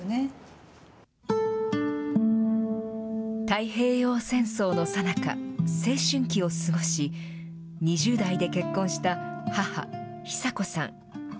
太平洋戦争のさなか、青春期を過ごし、２０代で結婚した母、ヒサ子さん。